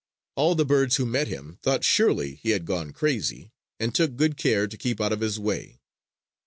All the birds who met him thought surely he had gone crazy; and took good care to keep out of his way.